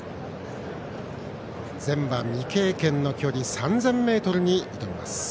全馬未経験の距離３０００ｍに挑みます。